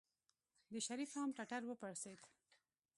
د شريف هم ټټر وپړسېد.